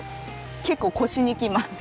結構腰にきます。